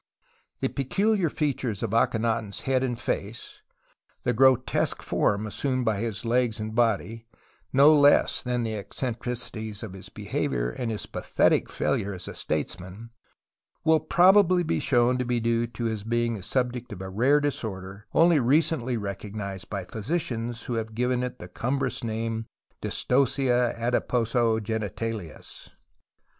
The peculiar features of Akhenaton's head and face, the grotesque form assumed by his legs and body, no less than the eccentricities of his behaviour, and his pathetic failure as a statesman, will probably be shown to be due to his being the subject of a rare disorder, only recently recognized by physicians, who have given it the cumbrous name Dystocia adiposo genitalis.